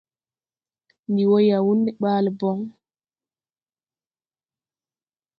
Ndi wɔ Yayunde ɓaale bɔn.